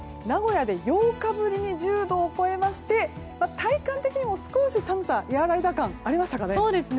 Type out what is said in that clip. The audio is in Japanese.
名古屋で８日ぶりに１０度を超えまして体感的にも少し寒さが和らいだ感がありましたかね。